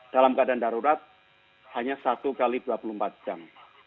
dalam keadaan darurat hanya satu x dua puluh empat jam